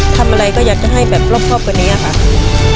ทำอะไรก็อยากจะให้แบบรอบกันเนี้ยค่ะ